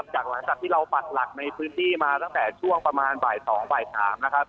จากวันศักดิ์ที่เราปัดหลักในพื้นที่มาตั้งแต่ช่วงประมาณบ่ายสองบ่ายสาม